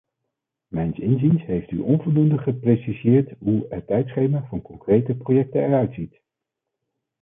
Mijns inziens heeft u onvoldoende gepreciseerd hoe het tijdschema van concrete projecten eruitziet.